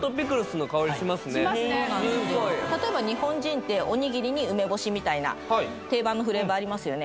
しますね酢っぽい例えば日本人っておにぎりに梅干しみたいな定番のフレーバーありますよね